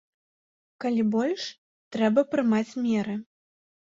Калі больш, трэба прымаць меры.